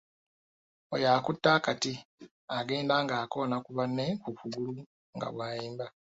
Oyo akutte akati agenda ng’akoona ku banne ku kugulu nga bw'ayimba.